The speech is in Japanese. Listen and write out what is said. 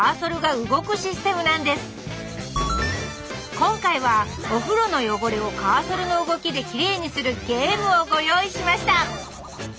今回はお風呂の汚れをカーソルの動きできれいにするゲームをご用意しました！